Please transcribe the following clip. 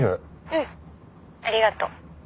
「うんありがとう」